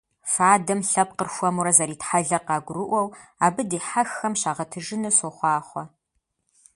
Фадэм лъэпкъыр хуэмурэ зэритхьэлэр къагурыӀуэу абы дихьэххэм щагъэтыжыну сохъуахъуэ!